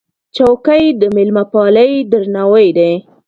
چوکۍ د مېلمهپالۍ درناوی دی.